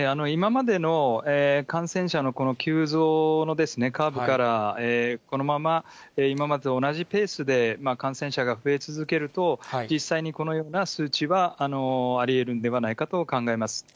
今までの感染者の急増のカーブから、このまま今までと同じペースで感染者が増え続けると、実際にこのような数値はありえるんではないかと考えます。